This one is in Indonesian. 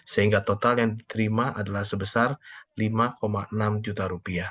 sehingga total yang diterima adalah sebesar rp lima enam juta